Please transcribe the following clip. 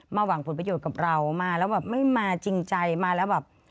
หวังผลประโยชน์กับเรามาแล้วแบบไม่มาจริงใจมาแล้วแบบ